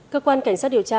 các quan cảnh sát điều tra